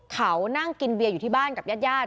เขานั่งกินเบียร์อยู่ที่บ้านกับญาติญาติ